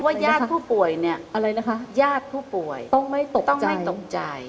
ว่าญาติผู้ป่วยเนี่ยต้องไม่ตกใจ